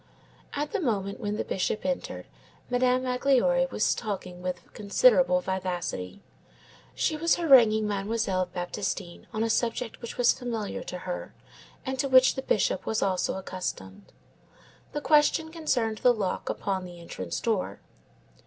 At the moment when the Bishop entered, Madame Magloire was talking with considerable vivacity. She was haranguing Mademoiselle Baptistine on a subject which was familiar to her and to which the Bishop was also accustomed. The question concerned the lock upon the entrance door.